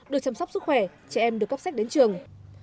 được chăm sóc sức khỏe trẻ em được cấp sách đến trường